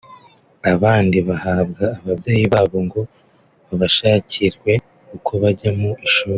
abandi bahabwa ababyeyi babo ngo babashakirwe uko bajya mu ishuri